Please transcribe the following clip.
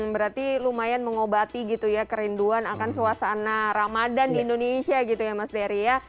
berarti lumayan mengobati gitu ya kerinduan akan suasana ramadan di indonesia gitu ya mas dery ya